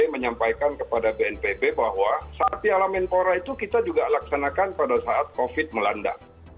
menyampaikan kepada bnpb bahwa saat piala menpora itu kita juga laksanakan pada saat covid melanda